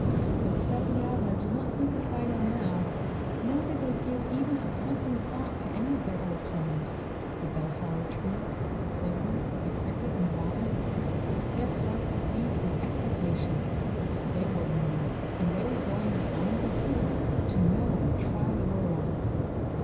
But Seth and Abner did not think of Fido now, nor did they give even a passing thought to any of their old friends, the bellflower tree, the clover, the cricket, and the robin. Their hearts beat with exultation. They were men, and they were going beyond the hills to know and try the world.